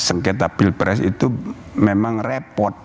sengketa pilpres itu memang repot